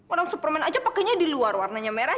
orang superman aja pakainya di luar warnanya merah